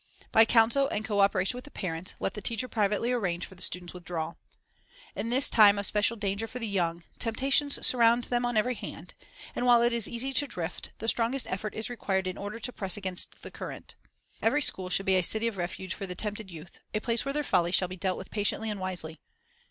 By counsel and co operation with the parents, let the teacher privately arrange for the student's withdrawal. In this time of special danger for the young, tempta tions surround them on every hand; and while it is easy to drift, the strongest effort is required in order to press against the current. Every school should be a "city of refuge" for the tempted youth, a place where their follies shall be dealt with patiently and wisely.